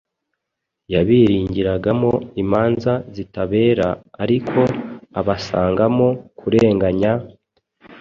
yabiringiragamo imanza zitabera ariko abasangamo kurenganya;